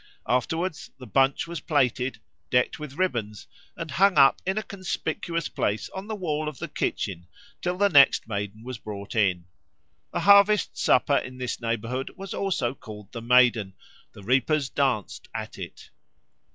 Afterwards the bunch was plaited, decked with ribbons, and hung up in a conspicuous place on the wall of the kitchen till the next Maiden was brought in. The harvest supper in this neighbourhood was also called the Maiden; the reapers danced at it.